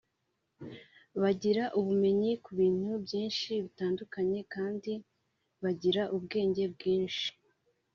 bagira ubumenyi ku bintu byinshi bitandukanye kandi bagira ubwenge bwinshi